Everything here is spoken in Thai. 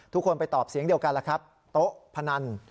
ทุกคนไปตอบเสียงเดียวกันล่ะครับโต๊ะพนัน